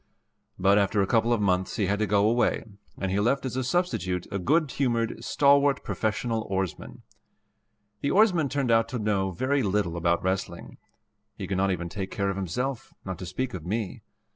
But after a couple of months he had to go away, and he left as a substitute a good humored, stalwart professional oarsman. The oarsman turned out to know very little about wrestling. He could not even take care of himself, not to speak of me.